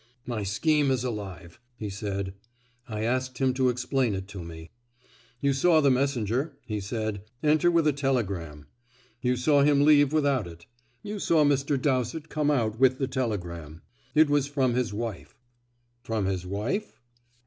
"My scheme is alive," he said. I asked him to explain it to me. "You saw the messenger," he said, "enter with a telegram. You saw him leave without it. You saw Mr. Dowsett come out with the telegram. It was from his wife." "From his wife?"